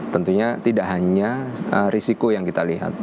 tentunya tidak hanya risiko yang kita lihat